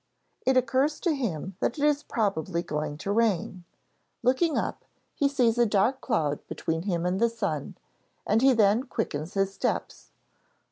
It occurs to him that it is probably going to rain; looking up, he sees a dark cloud between him and the sun, and he then quickens his steps.